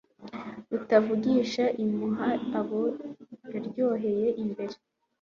Rutavugisha impuha abo yaryoheye mbere